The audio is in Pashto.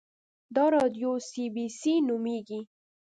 دا راډیو سي بي سي نومیږي